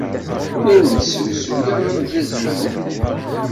Ur awent-d-srusuyeɣ alzaz-nwent.